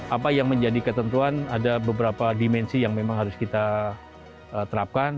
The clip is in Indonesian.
apa yang menjadi ketentuan ada beberapa dimensi yang memang harus kita terapkan